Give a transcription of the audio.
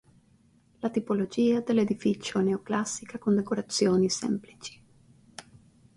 La tipologia dell'edificio è neoclassica con decorazioni semplici.